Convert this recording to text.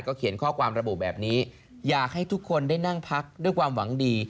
เขียนข้อความระบุแบบนี้อยากให้ทุกคนได้นั่งพักด้วยความหวังดี